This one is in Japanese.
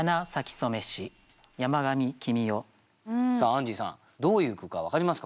アンジーさんどういう句か分かりますか？